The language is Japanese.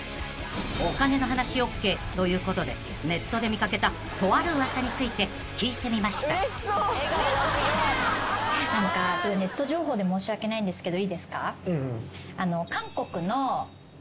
［お金の話ＯＫということでネットで見掛けたとある噂について聞いてみました］っていうのをネットで見たんですけど。